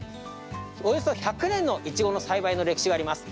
およそ１００年のイチゴの栽培の歴史があります。